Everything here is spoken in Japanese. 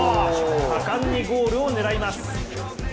果敢にゴールを狙います。